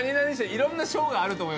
いろんな賞があると思う。